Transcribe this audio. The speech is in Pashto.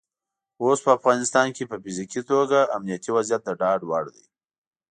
اوس په افغانستان کې په فزیکي توګه امنیتي وضعیت د ډاډ وړ دی.